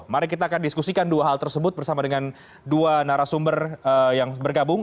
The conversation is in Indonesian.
mari kita akan diskusikan dua hal tersebut bersama dengan dua narasumber yang bergabung